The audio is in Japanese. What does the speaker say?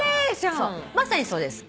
まさにそうです。